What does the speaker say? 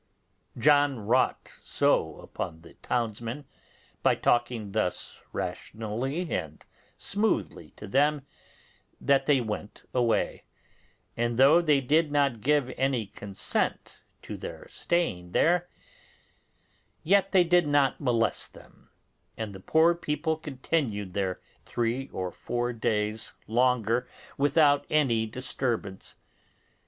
John wrought so upon the townsmen, by talking thus rationally and smoothly to them, that they went away; and though they did not give any consent to their staying there, yet they did not molest them; and the poor people continued there three or four days longer without any disturbance.